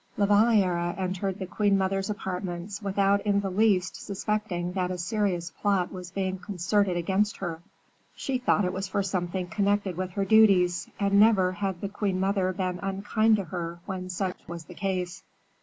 La Valliere entered the queen mother's apartments without in the least suspecting that a serious plot was being concerted against her. She thought it was for something connected with her duties, and never had the queen mother been unkind to her when such was the case.